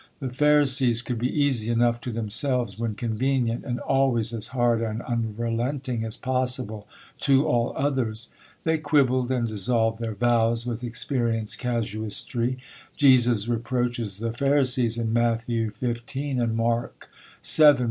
The Pharisees could be easy enough to themselves when convenient, and always as hard and unrelenting as possible to all others. They quibbled, and dissolved their vows, with experienced casuistry. Jesus reproaches the Pharisees in Matthew xv. and Mark vii.